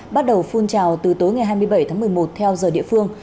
bắt đầu phun trào từ tối ngày hai mươi bảy tháng một mươi một theo giờ địa phương